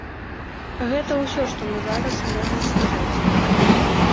Гэта ўсё, што мы зараз можам сказаць.